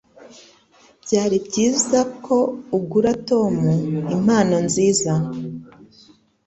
Byari byiza ko ugura Tom impano nziza.